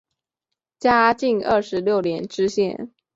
嘉靖二十六年知县。